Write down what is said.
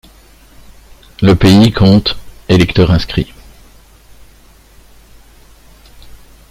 Le pays compte électeurs inscrits.